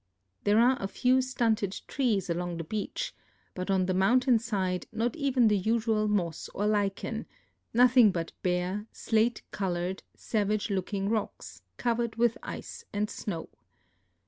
There are a few stunted trees along the beach, but on the mountain side not even the usual moss or lichen — nothing but bare, slate colored, savage looking rocks, cov ered with ice and snow.